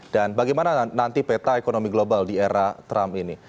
dan bagaimana nanti peta ekonomi global di era trump ini